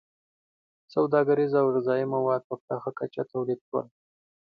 • سوداګریز او غذایي مواد په پراخه کچه تولید شول.